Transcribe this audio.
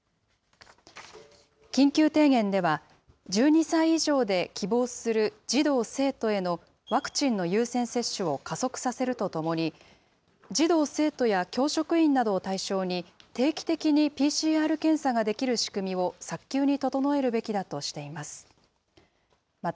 緊急提言では、１２歳以上で希望する児童・生徒へのワクチンの優先接種を加速させるとともに、児童・生徒や教職員などを対象に、定期的にＰＣＲ検査ができる仕組みを早急に整えるべきだとしています。